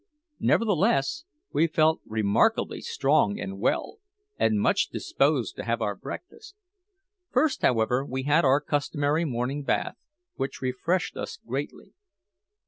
Never the less, we felt remarkably strong and well, and much disposed to have our breakfast. First, however, we had our customary morning bathe, which refreshed us greatly.